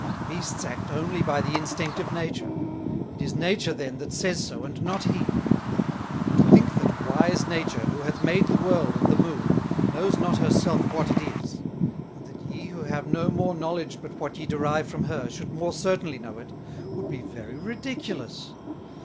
Now Beasts act only by the instinct of Nature: it is Nature then that says so, and not he: To think that wise Nature, who hath made the World and the Moon, knows not her self what it is; and that ye who have no more Knowledge but what ye derive from her, should more certainly know it, would be very Ridiculous.